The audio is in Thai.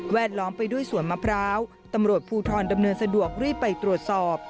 ล้อมไปด้วยสวนมะพร้าวตำรวจภูทรดำเนินสะดวกรีบไปตรวจสอบ